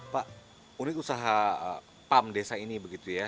pak unit usaha pam desa ini begitu ya